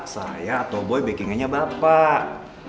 saya atau boy backing annya bapak